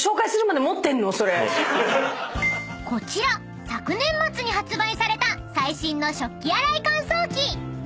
［こちら昨年末に発売された最新の食器洗い乾燥機］